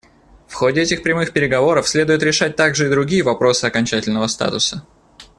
В ходе этих прямых переговоров следует решать также и другие вопросы окончательного статуса.